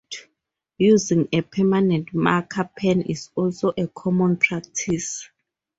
Using a permanent marker pen is also a common practice.